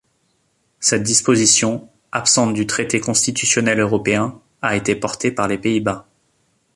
Cette disposition, absente du traité constitutionnel européen, a été portée par les Pays-Bas.